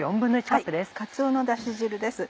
カツオのダシ汁です。